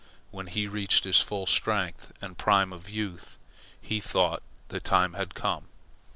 When he reached his full strength and prime of youth, he thought the time had come.